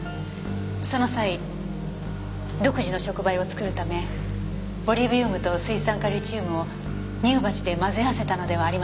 その際独自の触媒を作るためボリビウムと水酸化リチウムを乳鉢で混ぜ合わせたのではありませんか？